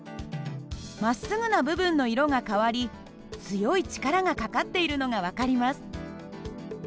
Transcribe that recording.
まっすぐな部分の色が変わり強い力がかかっているのが分かります。